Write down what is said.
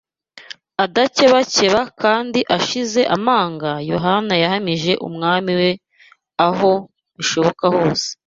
Adakebakeba kandi ashize amanga, Yohana yahamije Umwami we aho bishoboka hose